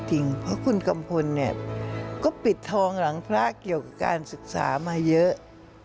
เพราะคุณกัมพลเนี่ยก็ปิดทองหลังพระเกี่ยวกับการศึกษามาเยอะ